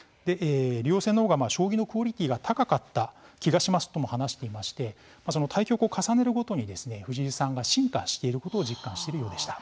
竜王戦のほうが将棋のクオリティーが高かった気がしますとも話していまして対局を重ねるごとに藤井さんが進化していることを実感ているようでした。